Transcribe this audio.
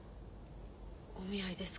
お見合いですか。